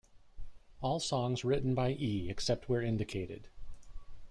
All songs written by E, except where indicated.